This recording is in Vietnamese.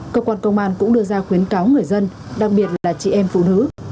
cơ quan công an cũng đưa ra khuyến cáo người dân đặc biệt là chị em phụ nữ